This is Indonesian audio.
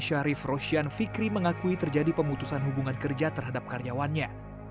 syarif roshian fikri mengakui terjadi pemutusan hubungan kerja terhadap karyawannya